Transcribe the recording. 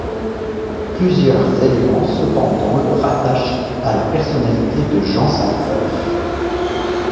Plusieurs éléments cependant le rattachent à la personnalité de Jean sans peur.